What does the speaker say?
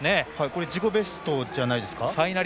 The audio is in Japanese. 自己ベストじゃないですか。